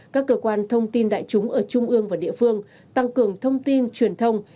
các cơ quan thông tin đại chúng ở trung ương và địa phương tăng cường thông tin truyền thông